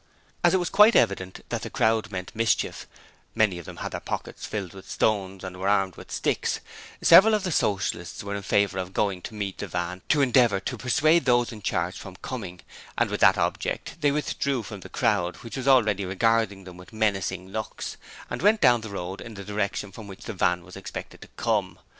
As it was quite evident that the crowd meant mischief many of them had their pockets filled with stones and were armed with sticks several of the Socialists were in favour of going to meet the van to endeavour to persuade those in charge from coming, and with that object they withdrew from the crowd, which was already regarding them with menacing looks, and went down the road in the direction from which the van was expected to come.